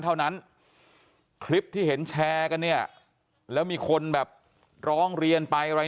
เท่านั้นคลิปที่เห็นแชร์กันเนี่ยแล้วมีคนแบบร้องเรียนไปอะไร